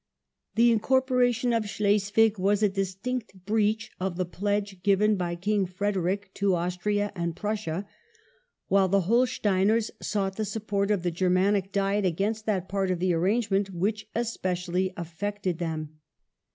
The incorporation of Schleswig was a distinct breach of the pledge given by King Frederick to Austria and Prussia, while the Holsteiners sought the support of the Germanic Diet against that part of the arrange ment which especially affected them.